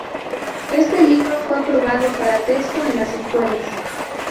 Este libro fue aprobado para texto en las escuelas.